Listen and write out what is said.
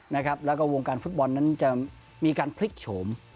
แล้วก็วงการฟุตบอลนั้นจะมีการพลิกโฉม